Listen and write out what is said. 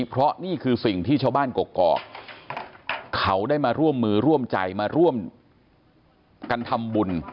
เพราะนี่คือสิ่งที่ชาวบ้านกกอกเขาได้มาร่วมมือร่วมใจมาร่วมกันทำบุญ